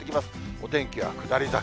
お天気は下り坂。